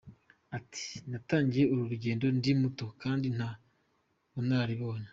Ati “Natangiye uru rugendo ndi muto kandi nta bunararibonye.